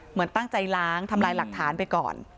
เหมือนตั้งใจล้างทำลายหลักฐานไปก่อน